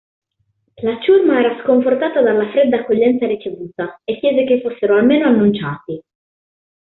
La ciurma era sconfortata dalla fredda accoglienza ricevuta e chiese che fossero almeno annunciati.